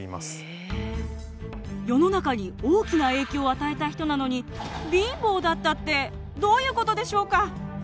世の中に大きな影響を与えた人なのに貧乏だったってどういうことでしょうか？